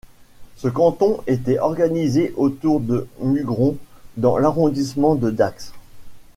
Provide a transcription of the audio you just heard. Ce canton était organisé autour de Mugron dans l'arrondissement de Dax.